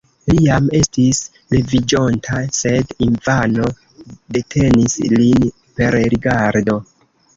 Li jam estis leviĝonta, sed Ivano detenis lin per rigardo.